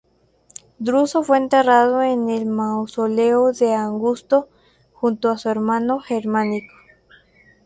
Druso fue enterrado en el mausoleo de Augusto junto a su hermano Germánico.